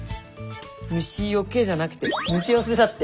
「虫よけ」じゃなくて「虫よせ」だって。